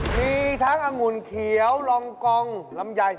มีทั้งอังุณเขียวลองกองลำยาย